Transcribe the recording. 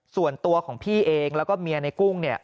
ส่วนตัวของพี่เองแล้วก็เมียในกุ้งเนี่ย